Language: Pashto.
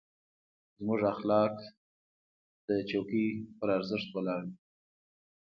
زموږ اخلاق د څوکۍ په ارزښت ولاړ دي.